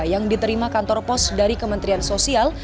yang diterima kantor pos dari kementerian sosial